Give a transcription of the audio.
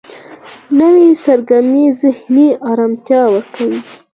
نوې سرګرمي ذهني آرامتیا ورکوي